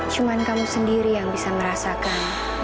cuma kamu sendiri yang bisa merasakan